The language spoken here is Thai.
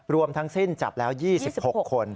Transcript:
รวมทั้งสิ้นจับแล้ว๒๖คน